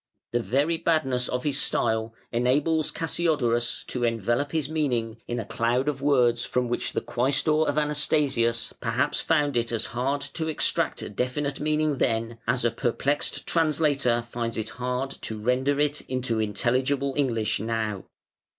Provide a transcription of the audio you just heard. The very badness of his style enables Cassiodorus to envelop his meaning in a cloud of words from which the Quæstor of Anastasius perhaps found it as hard to extract a definite meaning then, as a perplexed translator finds it hard to render it into intelligible English now.